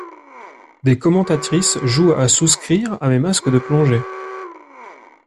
Des commentatrices jouent à souscrire à mes masques de plongée.